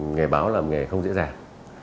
nghề báo là một nghề không dễ dàng